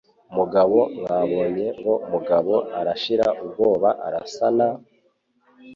Mugabo, mwabonye ngo umugabo Arashira ubwoba arasana,